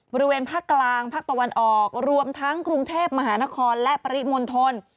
บริเวณภาคกลางภาคตะวันออกรวมทั้งกรุงเทพมหานครและปริมณฑล